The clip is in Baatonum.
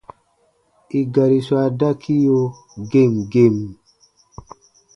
I gari swa dakiyo gem gem.